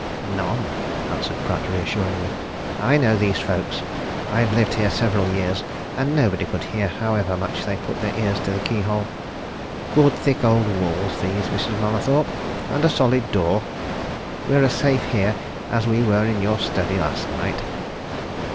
"None!" answered Pratt reassuringly. "I know these folks I've lived here several years. And nobody could hear however much they put their ears to the keyhole. Good thick old walls, these, Mrs. Mallathorpe, and a solid door. We're as safe here as we were in your study last night."